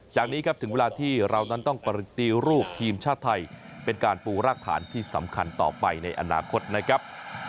จากนี้ครับถึงเวลาที่เรานั้นต้องปฏิรูปทีมชาติไทยเป็นการปูรากฐานที่สำคัญต่อไปในอนาคตนะครับ